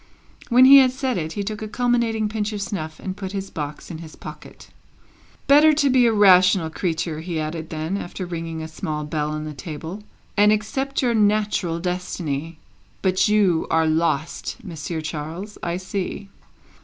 When he had said it, he took a culminating pinch of snuff, and put his box in his pocket. "Better to be a rational creature," he added then, after ringing a small bell on the table, "and accept your natural destiny. But you are lost, Monsieur Charles, I see."